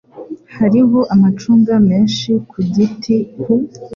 Hariho amacunga menshi ku gitiKu